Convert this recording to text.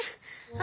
あ。